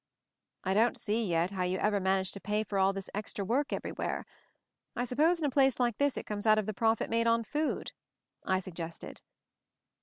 "I don't see yet how you ever manage to pay for all this extra work everywhere. I suppose in a place like this it comes out of the profit made on food," I suggested.